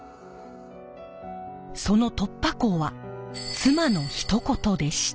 その突破口は妻のひと言でした。